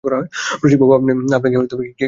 রসিকবাবু, আপনাকে কী বলে ধন্যবাদ জানাব?